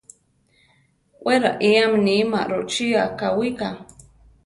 Wé raiáme níma rochí akáwika.